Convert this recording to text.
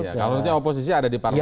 kalau oposisi ada di parlemennya ya